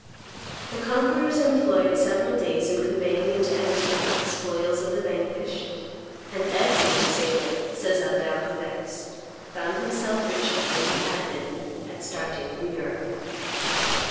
The conquerors employed several days in conveying into Antioch the spoils of the vanquished; and "every crusader," says Albert of Aix, "found himself richer than he had been at starting from Europe."